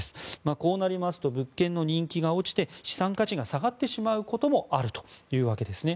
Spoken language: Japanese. こうなりますと物件の人気が落ちて資産価値が下がることもあるということです。